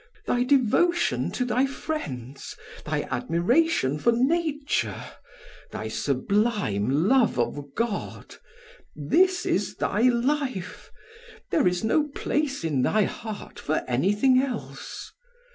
Thy devotion to thy friends, thy admiration for nature, thy sublime love of God, this is thy life, there is no place in thy heart for anything else.